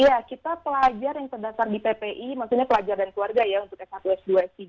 iya kita pelajar yang terdasar di ppi maksudnya pelajar dan keluarga ya untuk s satu s dua s tiga